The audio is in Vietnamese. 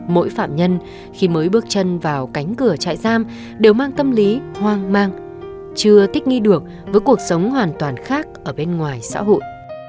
mỗi phạm nhân khi mới bước chân vào cánh cửa trại giam đều mang tâm lý hoang mang chưa thích nghi được với cuộc sống hoàn toàn khác ở bên ngoài xã hội